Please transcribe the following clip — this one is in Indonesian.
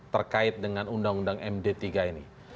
terkait dengan undang undang md tiga ini